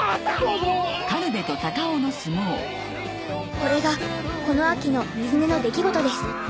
これがこの秋の水根の出来事です。